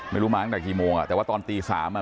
ไม่รู้มาตั้งแต่กี่โมงอ่ะแต่ว่าตอนตีสามอ่ะ